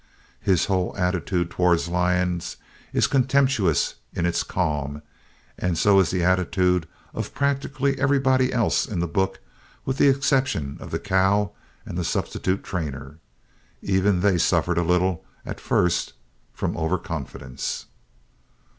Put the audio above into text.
His whole attitude toward lions is contemptuous in its calm and so is the attitude of practically everybody else in the book with the exception of the cow and the substitute trainer. Even they suffered a little, at first, from overconfidence.